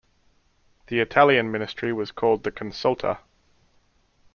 The Italian ministry was called the Consulta.